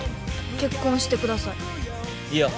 結婚してくださいいいよ